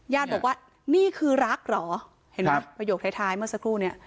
ญาติบอกว่านี่คือรักเหรอเห็นไหมประโยคท้ายท้ายเมื่อสักครู่เนี่ย